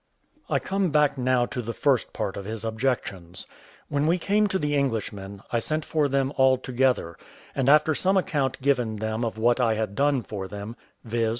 I come back now to the first part of his objections. When we came to the Englishmen, I sent for them all together, and after some account given them of what I had done for them, viz.